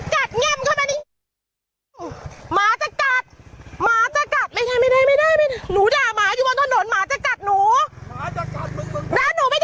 หม่านี่หมาใครหมาลุงใช่ไหม